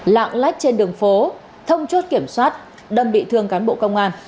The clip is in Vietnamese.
lạng lách trên đường phố thông chốt kiểm soát đâm bị thương cán bộ công an